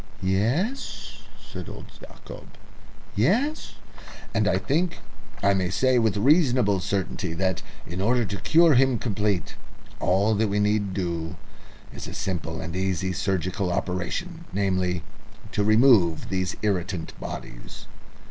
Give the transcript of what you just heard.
"Yes?" said old Yacob. "Yes?" "And I think I may say with reasonable certainty that, in order to cure him completely, all that we need do is a simple and easy surgical operation namely, to remove these irritant bodies."